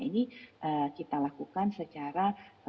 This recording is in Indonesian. ini kita lakukan secara